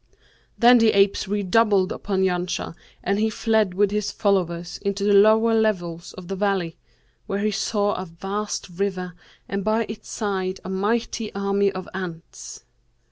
Then the apes redoubled upon Janshah and he fled with his followers into the lower levels of the valley, where he saw a vast river and by its side a mighty army of ants.